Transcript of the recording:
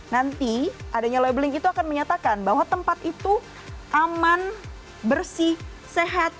nanti adanya labeling itu akan menyatakan bahwa tempat itu aman bersih sehat